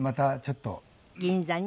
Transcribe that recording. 銀座に？